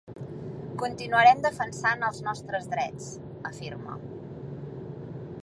Continuarem defensant els nostres drets, afirma.